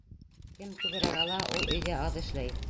Кем күберәк ала, ул өйҙә аҙ эшләй.